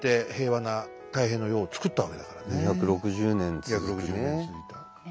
２６０年続いた。